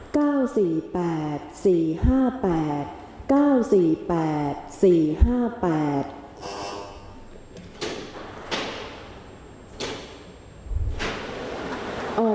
ออกรวมที่สองครั้งที่ห้าครั้งสุดท้ายเลขที่ออก